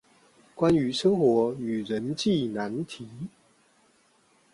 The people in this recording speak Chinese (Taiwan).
關於生活與人際難題